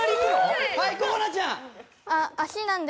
はい心那ちゃん！